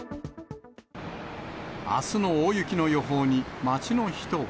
あすの大雪の予報に、街の人は。